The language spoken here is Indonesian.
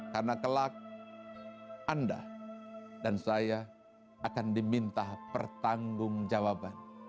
karena kelak anda dan saya akan diminta pertanggung jawaban